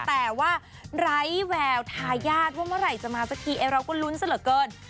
แต่ว่าไร้แววทายาทว่าเมื่อไหร่จะมาสักทีเราก็ลุ้นซะเหลือเกิน